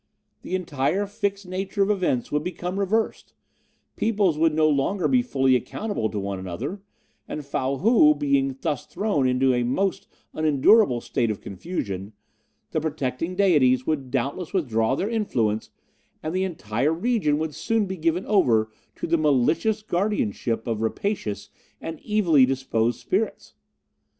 The entire fixed nature of events would become reversed; persons would no longer be fully accountable to one another; and Fow Hou being thus thrown into a most unendurable state of confusion, the protecting Deities would doubtless withdraw their influence, and the entire region would soon be given over to the malicious guardianship of rapacious and evilly disposed spirits.